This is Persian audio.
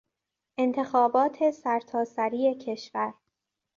انتخابات سرتاسری کشور